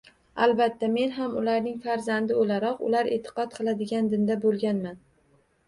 Albatta, men ham ularning farzandi o‘laroq, ular e'tiqod qiladigan dinda bo‘lganman